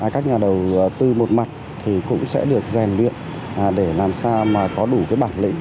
các nhà đầu tư một mặt cũng sẽ được rèn luyện để làm sao có đủ bảng lĩnh